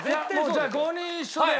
じゃあ５人一緒で。